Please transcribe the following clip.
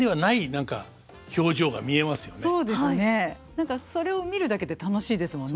何かそれを見るだけで楽しいですもんね。